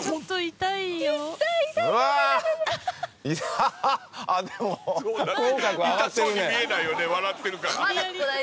痛そうに見えないよね笑ってるから。